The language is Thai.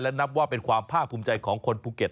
และนับว่าเป็นความภาคภูมิใจของคนภูเก็ต